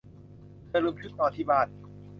เธอลืมชุดนอนที่บ้าน